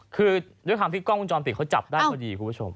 คือด้วยความที่กล้องวงจรปิดเขาจับได้พอดีคุณผู้ชม